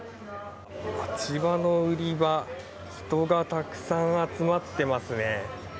あちらの売り場人がたくさん集まっていますね。